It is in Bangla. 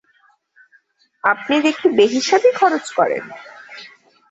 আপনি দেখি বেহিসাবি খরচ করেন!